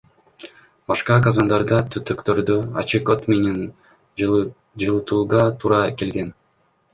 Башка казандарда түтүктөрдү ачык от менен жылытууга туура келген.